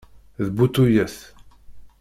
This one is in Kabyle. D bu tuyat!